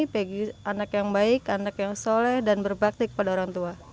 bagi anak yang baik anak yang soleh dan berbakti kepada orang tua